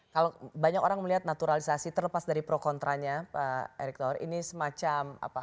kalau banyak orang melihat naturalisasi terlepas dari pro kontranya pak erick thohir ini semacam apa